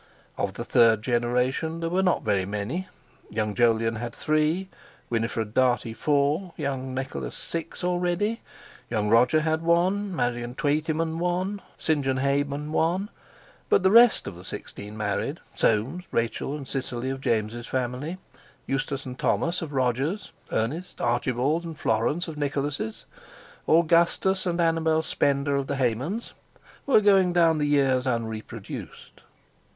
Of the third generation there were not very many—young Jolyon had three, Winifred Dartie four, young Nicholas six already, young Roger had one, Marian Tweetyman one; St. John Hayman two. But the rest of the sixteen married—Soames, Rachel and Cicely of James' family; Eustace and Thomas of Roger's; Ernest, Archibald and Florence of Nicholas'. Augustus and Annabel Spender of the Hayman's—were going down the years unreproduced.